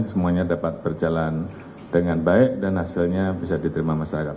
semuanya dapat berjalan dengan baik dan hasilnya bisa diterima masyarakat